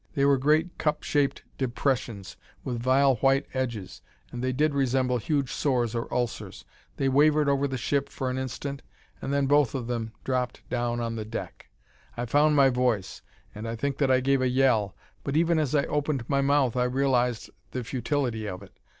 They were great cup shaped depressions with vile white edges, and they did resemble huge sores or ulcers. They wavered over the ship for an instant, and then both of them dropped down on the deck. "I found my voice and I think that I gave a yell, but even as I opened my mouth, I realized the futility of it.